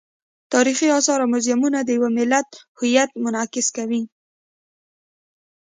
تاریخي آثار او موزیمونه د یو ملت هویت منعکس کوي.